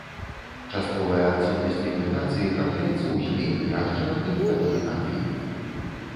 Частковая адсутнасць пігментацыі трапляецца ў змей, яшчарак і некаторых амфібій.